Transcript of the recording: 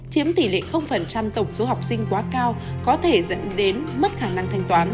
chiếm tỷ lệ tổng số học sinh quá cao có thể dẫn đến mất khả năng thanh toán